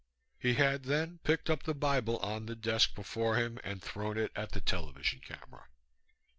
He had then picked up the Bible on the desk before him and thrown it at the television camera.